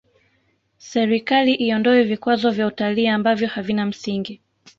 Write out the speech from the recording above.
serikali iondoe vikwazo vya utalii ambavyo havina msingi